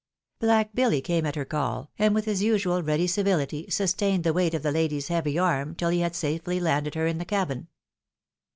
Black Billy came at her call, and with his usual ready civihty sustained the weight of the lady's heavy arm till he had safely landed her in the cabin.